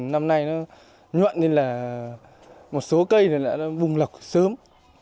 năm nay nó nhuận nên là một số cây nó bùng lọc sớm